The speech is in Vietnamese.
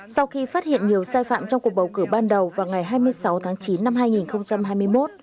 sau khi phát hiện nhiều sai phạm trong cuộc bầu cử ban đầu vào ngày hai mươi sáu tháng chín năm hai nghìn hai mươi một